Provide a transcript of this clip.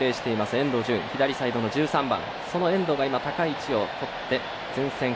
遠藤純、左サイドの１３番。